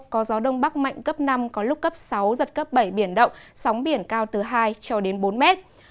có gió đông bắc mạnh cấp năm có lúc cấp sáu giật cấp bảy biển động sóng biển cao từ hai cho đến bốn mét